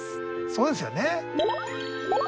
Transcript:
そうですよね。